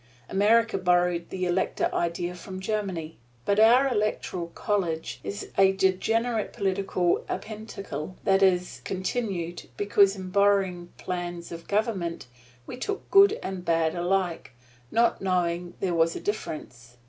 America borrowed the elector idea from Germany. But our "electoral college" is a degenerate political appendicle that is continued, because, in borrowing plans of government, we took good and bad alike, not knowing there was a difference.